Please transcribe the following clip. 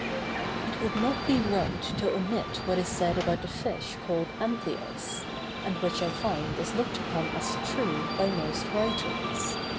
It would not be right to omit what is said about the fish called anthias, and which I find is looked upon as true by most writers.